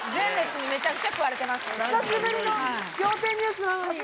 久しぶりの『仰天ニュース』なのに。